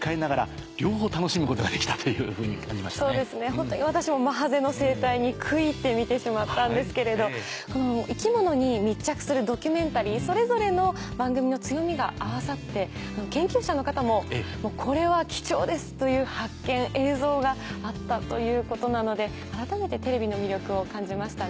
ホントに私もマハゼの生態に食い入って見てしまったんですけれど生き物に密着するドキュメンタリーそれぞれの番組の強みが合わさって研究者の方も「これは貴重です」という発見映像があったということなので改めてテレビの魅力を感じましたね。